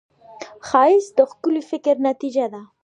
ښایست د ښکلي فکر نتیجه ده